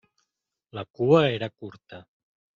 La cua era curta.